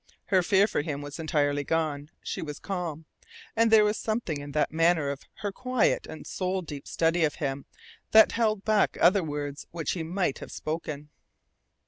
Her fear for him was entirely gone. She was calm. And there was something in the manner of her quiet and soul deep study of him that held back other words which he might have spoken.